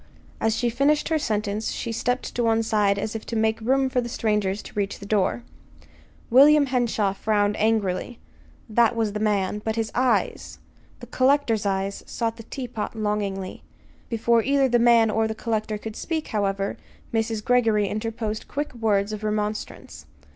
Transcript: As she finished her sentence she stepped one side as if to make room for the strangers to reach the door. William Henshaw frowned angrily that was the man; but his eyes the collector's eyes sought the teapot longingly. Before either the man or the collector could speak, however; Mrs. Greggory interposed quick words of remonstrance.